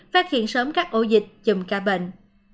phát hiện sớm các ổ dịch chùm ca bệnh